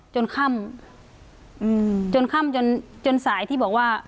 จนค่ำจนค่ำจนจนสายที่บอกว่า